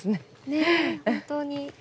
ねえ本当に。